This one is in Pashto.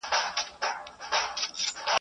هندو چي بېکاره سي، خپلي خوټي تلي.